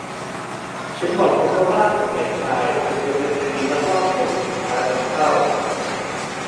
ฉันบอกคุณว่าบ้านของเด็กชาย ถูกดำเนินคดีลักลอบขนสิ้นค้านำเข้า